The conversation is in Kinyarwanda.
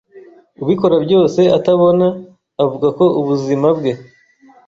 ubikora byose atabona, avuga ko ubuzima bwe